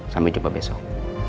sampai jumpa besok